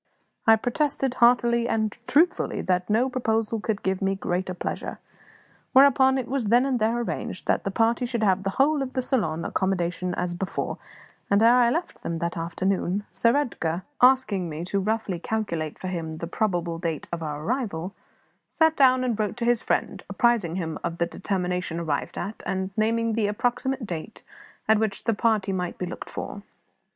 I protested, heartily and truthfully, that no proposal could give me greater pleasure. Whereupon it was then and there arranged that the party should have the whole of the saloon accommodation as before; and ere I left them that afternoon, Sir Edgar asking me to roughly calculate for him the probable date of our arrival sat down and wrote to his friend, apprising him of the determination arrived at, and naming the approximate date at which the party might be looked for.